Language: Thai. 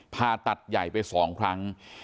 ผ่าตัดใหญ่ไป๒ครั้ง